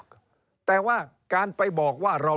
เริ่มตั้งแต่หาเสียงสมัครลง